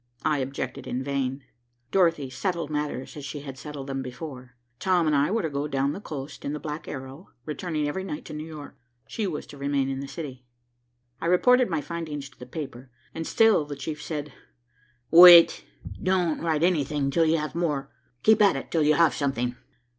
I objected in vain. Dorothy settled matters as she had settled them before. Tom and I were to go down the coast in the Black Arrow, returning every night to New York. She was to remain in the city. I reported my findings to the paper, and still the chief said, "Wait! Don't write anything till you have more. Keep at it till you have something."